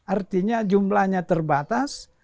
artinya jumlahnya terbatas